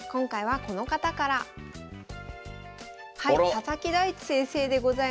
佐々木大地先生でございます。